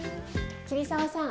桐沢さん